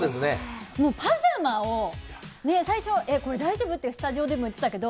パジャマを最初、大丈夫？ってスタジオでも言ってましたけど